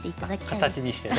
あっ形にしてね。